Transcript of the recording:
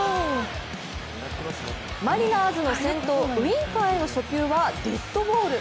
マリナーズの先頭、ウインカーへの初球はデッドボール。